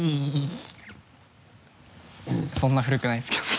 そんな古くないんですけど。